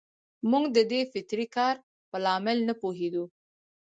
موږ د دې فطري کار په لامل نه پوهېدو.